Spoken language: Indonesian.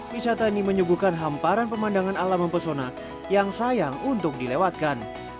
wisata ini menyuguhkan hamparan pemandangan alam mempesona yang sayang untuk dilewatkan